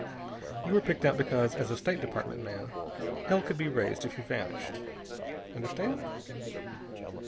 You were picked out because, as a State Department man, hell could be raised if you vanished. Understand?"